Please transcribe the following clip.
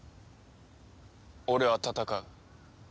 俺は戦う。